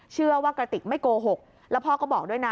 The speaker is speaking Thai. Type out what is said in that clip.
กระติกไม่โกหกแล้วพ่อก็บอกด้วยนะ